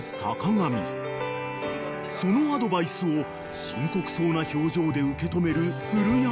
［そのアドバイスを深刻そうな表情で受け止める古山］